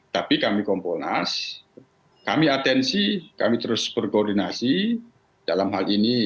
tapi kami komponas kami atensi kami terus berkoordinasi dalam hal ini